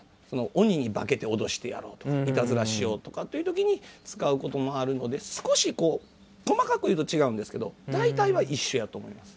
鬼に化けて脅してやろうとかいたずらしようとかっていう時に使うこともあるので少し細かく言うと違うんですけど大体は一緒やと思います。